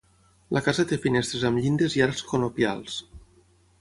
La casa té finestres amb llindes i arcs conopials.